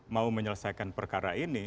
mau menyelesaikan perkara ini